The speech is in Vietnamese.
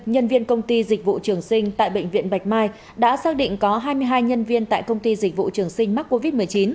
nhân viên công ty dịch vụ trường sinh tại bệnh viện bạch mai đã xác định có hai mươi hai nhân viên tại công ty dịch vụ trường sinh mắc covid một mươi chín